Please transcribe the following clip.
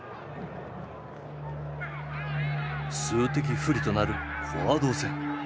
数的不利となるフォワード戦。